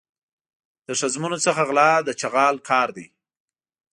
له ښځمنو څخه غلا د چغال کار دی.